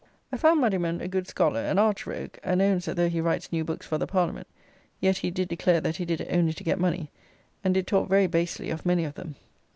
I found Muddiman a good scholar, an arch rogue; and owns that though he writes new books for the Parliament, yet he did declare that he did it only to get money; and did talk very basely of many of them.